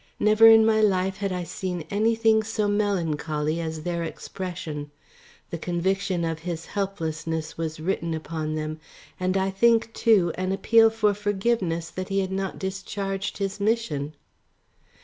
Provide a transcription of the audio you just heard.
Never in my life had I seen anything so melancholy as their expression. The conviction of his helplessness was written upon them and I think too an appeal for forgiveness that he had not discharged his mission.